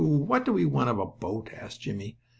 What do we want of a boat?" asked Jimmie.